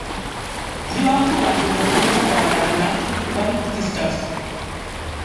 ত্রিবাঙ্কুর রাজ্যে জন্মগ্রহণ করায় তাদের নাম ছিল "ত্রিবাঙ্কুর সিস্টার্স"।